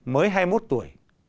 mới hai mươi một tuổi